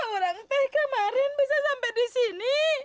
orang teh kemarin bisa sampai di sini